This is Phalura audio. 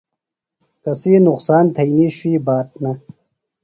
کسی نقصان تھئینی شوئی بات نہ۔